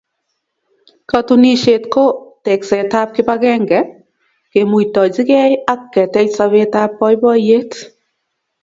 Katunisyet ko tekseetab kibagenge, kemuitochige ak ketech sobeetab boiboiyet.